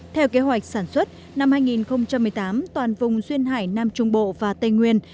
theo kế hoạch sản xuất năm hai nghìn một mươi tám toàn vùng duyên hải nam trung bộ và tây nguyên